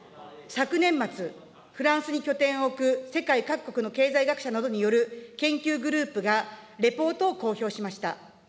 昨年末、フランスに拠点を置く、世界各国の経済学者などによる研究グループがレポートを公表しました。